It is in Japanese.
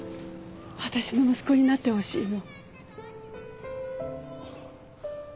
私の息子になってほしいの